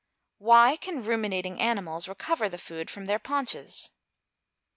_Why can ruminating animals recover the food from their paunches?